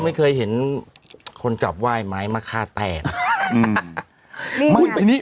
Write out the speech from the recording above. ไม่เคยเห็นคนจับไหว้ไม้มะค่าแต้นะ